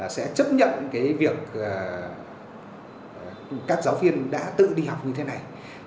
sẽ chấp nhận cái việc các giáo viên đã tự đi học như thế này